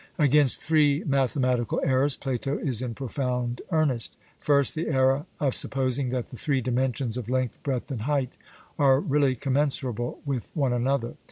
Against three mathematical errors Plato is in profound earnest. First, the error of supposing that the three dimensions of length, breadth, and height, are really commensurable with one another.